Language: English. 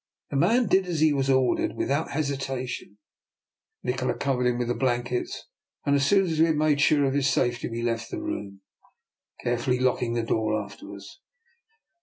The man did as he was ordered without hesitation. Nikola covered him with the blankets, and as soon as we had made sure of his safety we left the room, carefully locking the door after us.